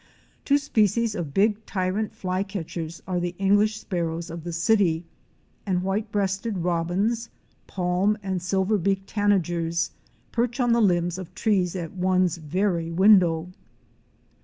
Two species of big Tyrant Flycatchers *' are the Eng lish Sparrows of the city and White breasted Robins,' Palm "* and Silver beak "° Tanagers perch on the limbs of trees at one's very window.